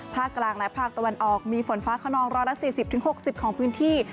ภาคกลางและภาคตะวันออกมีฝนฟ้าขนอง๑๔๐๖๐ของพื้นที่